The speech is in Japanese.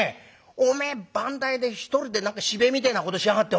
おめえ番台で一人で何か芝居みてえなことしやがって。